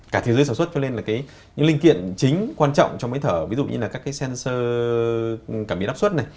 cả thế giới sản xuất cho nên là những linh kiện chính quan trọng cho máy thở ví dụ như là các sensor cảm biến áp suất